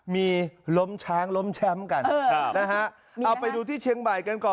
มีล้มช้างล้มแชมป์กันนะฮะเอาไปดูที่เชียงใหม่กันก่อน